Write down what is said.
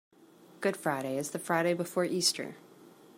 Good Friday is the Friday before Easter.